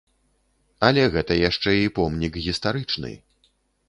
Але гэта яшчэ і помнік гістарычны.